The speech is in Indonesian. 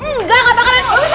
kenapa kamu berani dengan saya